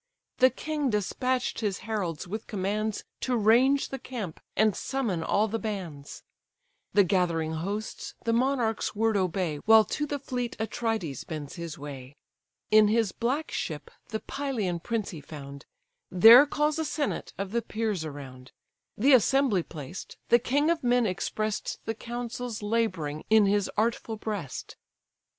The king despatch'd his heralds with commands To range the camp and summon all the bands: The gathering hosts the monarch's word obey; While to the fleet Atrides bends his way. In his black ship the Pylian prince he found; There calls a senate of the peers around: The assembly placed, the king of men express'd The counsels labouring in his artful breast.